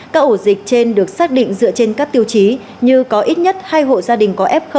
các ổ dịch trên được xác định dựa trên các tiêu chí như có ít nhất hai hộ gia đình có f một